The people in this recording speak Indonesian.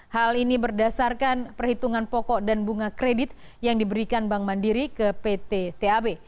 hal ini berdasarkan perhitungan pokok dan bunga kredit yang diberikan bank mandiri ke pt tab